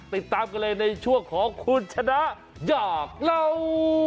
ติดตามกันเลยในช่วงของคุณชนะอยากเล่า